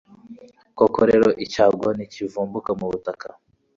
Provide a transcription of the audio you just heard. koko rero, icyago ntikivumbuka mu butaka